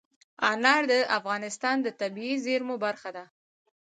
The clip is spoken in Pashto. انار د افغانستان د طبیعي زیرمو برخه ده.